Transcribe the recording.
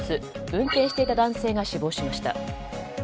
運転していた男性が死亡しました。